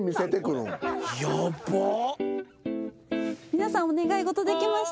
皆さんお願い事できました？